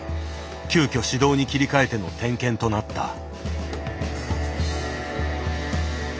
急遽手動に切り替えての点検となった。